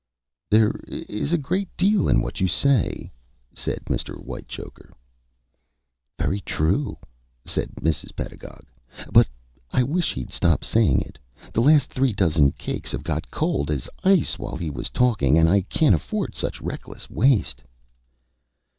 "There is a great deal in what you say," said Mr. Whitechoker. "Very true," said Mrs. Pedagog. "But I wish he'd stop saying it. The last three dozen cakes have got cold as ice while he was talking, and I can't afford such reckless waste."